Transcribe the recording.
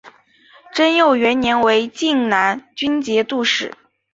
贞佑元年为静难军节度使。